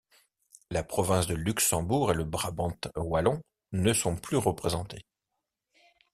La Province de Luxembourg et le Brabant wallon ne sont plus représentés.